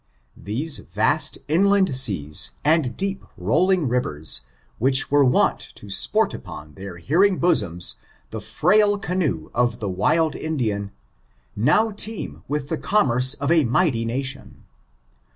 Those vast inland seas and deep rolling rivers, which were wont to sport upon their heaving bosoms the frail canoe of the wild Indian, now teem with the commerce of a mighty nation.